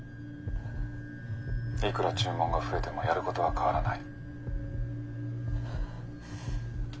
「いくら注文が増えてもやることは変わらない」。